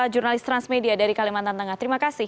jurnalis transmedia dari kalimantan tengah terima kasih